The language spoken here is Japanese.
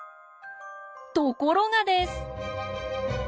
ところがです！